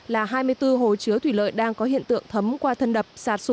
là hai mươi bốn hồ chứa thủy lợi đang có hiện tượng thấm qua thân đập